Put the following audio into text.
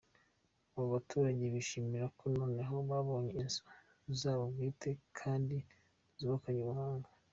Abo baturage bishimira ko noneho babonye inzu zabo bwite kandi zubakanye ubuhanga.